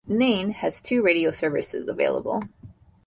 Nain has two radio services available.